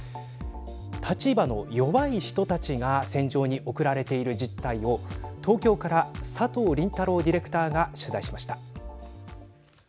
立場の弱い人たちが戦場に送られている実態を東京から佐藤凜太郎ディレクターが取材しました。